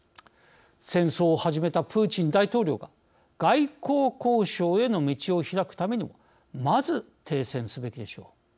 戦争を始めたプーチン大統領が外交交渉への道を開くためにもまず、停戦すべきでしょう。